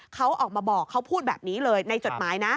เขาออกมาบอกเขาพูดแบบนี้เลยในจดหมายนะ